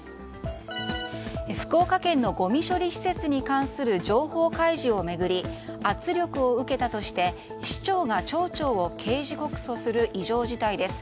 福岡県のごみ処理施設に関する情報開示を巡り圧力を受けたとして市長が町長を刑事告訴する異常事態です。